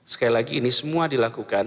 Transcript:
sekali lagi ini semua dilakukan